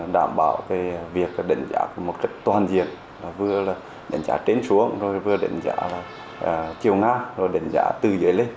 đảm bảo về việc đánh giá một cách toàn diện vừa là đánh giá trên xuống vừa là đánh giá chiều ngác rồi đánh giá từ dưới lên